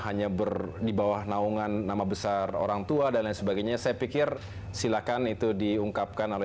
hanya berdi bawah naungan nama besar orangtua dan sebagainya saya pikir silakan itu diungkapkan oleh